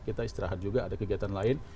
kita istirahat juga ada kegiatan lain